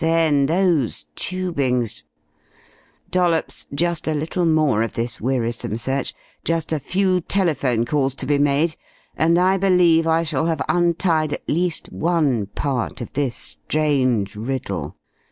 Then those tubings Dollops, just a little more of this wearisome search, just a few telephone calls to be made, and I believe I shall have untied at least one part of this strange riddle.